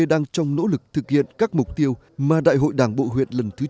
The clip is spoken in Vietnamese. đang trong nỗ lực thực hiện các mục tiêu mà đại hội đảng bộ huyện lần thứ chín